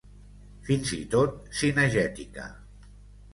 Fins i tot cinegètica.